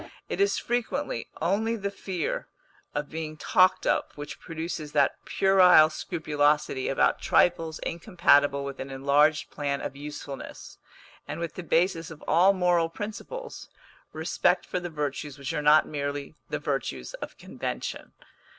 It is frequently only the fear of being talked of which produces that puerile scrupulosity about trifles incompatible with an enlarged plan of usefulness, and with the basis of all moral principles respect for the virtues which are not merely the virtues of convention.